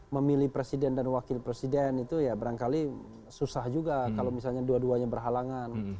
memilih presiden dan wakil presiden itu ya barangkali susah juga kalau misalnya dua duanya berhalangan